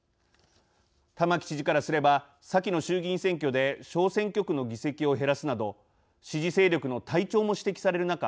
玉城知事からすれば先の衆議院選挙で小選挙区の議席を減らすなど支持勢力の退潮も指摘される中